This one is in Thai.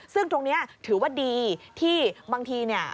ซึ่งตรงนี้ถือว่าดีที่บางทีเนี่ย